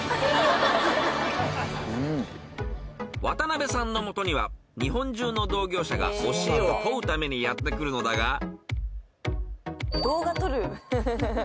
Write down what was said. ［渡辺さんの元には日本中の同業者が教えを請うためにやって来るのだが］